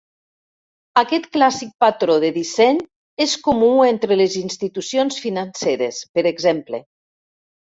Aquest clàssic patró de disseny és comú entre les institucions financeres per exemple.